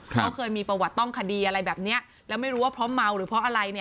เขาเคยมีประวัติต้องคดีอะไรแบบนี้แล้วไม่รู้ว่าเพราะเมาหรือเพราะอะไรเนี่ย